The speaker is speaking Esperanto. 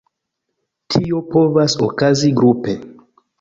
Tio povas okazi grupe.